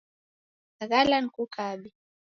Ghala nikukabe